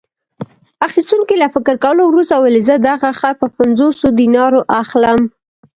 اخیستونکي له فکر کولو وروسته وویل: زه دغه خر په پنځوسو دینارو اخلم.